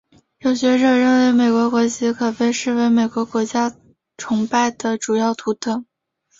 有学者认为美国国旗可被视为美国国家崇拜的主要图腾。